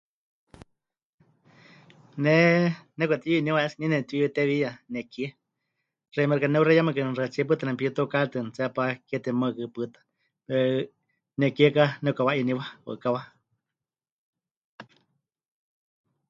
Ne nepɨkatiyu'iniwa es que nie nepɨtiyutewiya nekie, xeíme xɨka neuxeiyamɨkɨni xaɨtsíe pɨta nepitukaaritɨani tseepá keewa temeukɨ pɨta, 'eh, nekie ka... nepɨkawa'iniwa waɨkawa.